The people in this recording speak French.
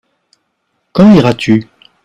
Quand iras-tu ?